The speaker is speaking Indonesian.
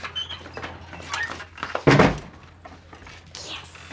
jangan world power peribadi